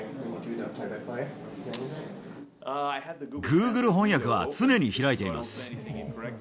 グーグル翻訳は常に開いています。